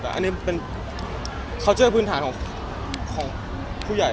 แต่อันนี้เป็นเขาเจอพื้นฐานของผู้ใหญ่